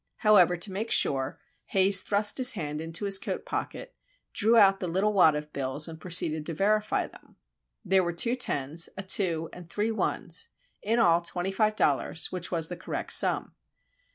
However, to make sure, Haze thrust his hand into his coat pocket, drew out the little wad of bills, and proceeded to verify them.—There were two tens, a two, and three ones, in all twenty five dollars, which was the correct sum.